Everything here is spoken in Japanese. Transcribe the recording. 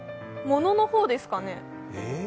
物の方ですかね。